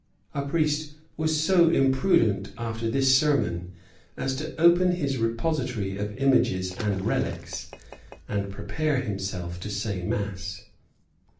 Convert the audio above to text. A priest was so imprudent, after this sermon, as to open his repository of images and relics, and prepare himself to say mass.